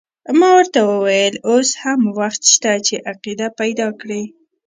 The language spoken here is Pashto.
ما ورته وویل اوس هم وخت شته چې عقیده پیدا کړې.